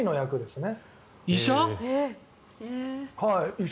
医者？